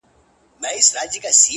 جانان لکه ريښه د اوبو هر ځای غځېدلی!!